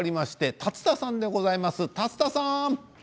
竜田さん。